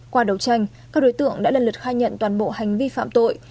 qua đấu tranh các đối tượng đã lần lượt khai nhận toàn bộ hành vi phạm tội